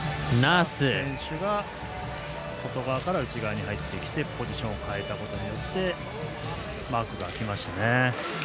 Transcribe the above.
ナース選手が外側から内側に入ってきてポジションを変えたことでマークが空きましたね。